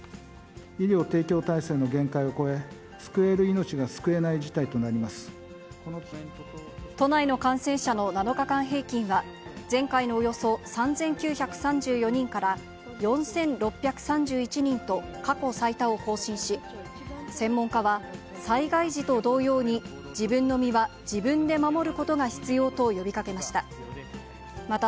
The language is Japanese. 医療提供体制の限界を超え、救える命が救えない事態となりま都内の感染者の７日間平均は、前回のおよそ３９３４人から４６３１人と、過去最多を更新し、専門家は、災害時と同様に、自分の身は自分で守ることが必要と呼びかけました。